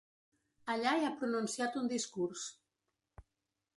Allà hi ha pronunciat un discurs.